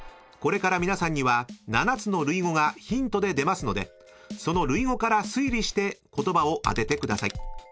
［これから皆さんには７つの類語がヒントで出ますのでその類語から推理して言葉を当ててください］